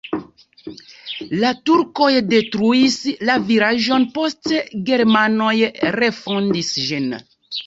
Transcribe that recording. La turkoj detruis la vilaĝon, poste germanoj refondis ĝin.